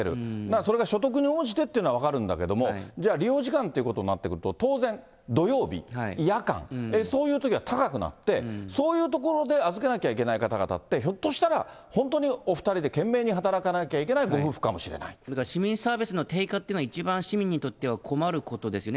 それが所得に応じてっていうのは分かるんだけども、じゃあ利用時間ということになってくると、当然、土曜日、夜間、そういうときは高くなって、そういうところで預けなきゃいけない方々って、ひょっとしたら本当にお２人で懸命に働かなきゃいけないご夫婦か市民サービスの低下というのは一番市民にとっては困ることですよね。